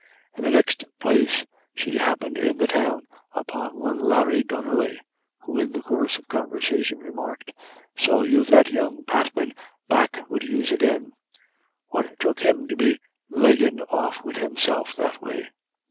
In the next place, she happened in the Town upon one Larry Donnelly, who in the course of conversation remarked: "So you've that young Patman back wid yous agin. What took him to be leggin' off wid himself that way?"